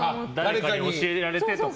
誰かに教えられてとか。